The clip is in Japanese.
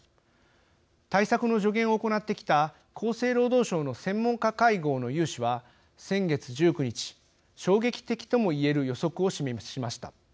対策の助言を行ってきた厚生労働省の専門家会合の有志は先月１９日、衝撃的とも言える予測を示しました。